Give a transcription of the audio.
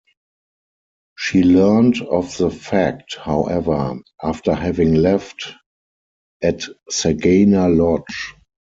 She learned of the fact, however, after having left, at Sagana Lodge.